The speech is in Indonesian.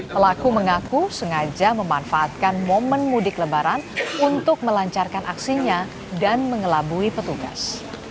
pelaku mengaku sengaja memanfaatkan momen mudik lebaran untuk melancarkan aksinya dan mengelabui petugas